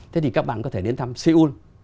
thế thì các bạn có thể đến thăm seoul